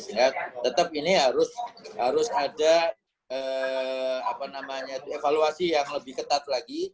ya tetap ini harus ada evaluasi yang lebih ketat lagi